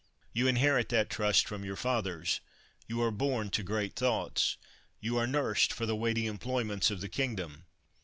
You inherit that trust from your fathers. You are born to great thoughts. You are nursed for the weighty employments of the kingdom.